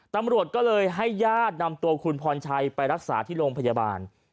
ตำรวจก็เลยให้ญาตินำตัวคุณพรชัยไปรักษาที่โรงพยาบาล